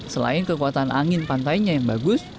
selain kekuatan angin pantainya yang bagus